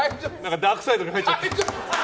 ダークサイドに入っちゃった。